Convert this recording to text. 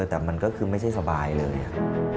แต่มันก็คือไม่ใช่สบายเลยครับ